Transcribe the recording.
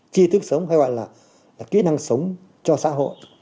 chi thức sống hay gọi là kỹ năng sống cho xã hội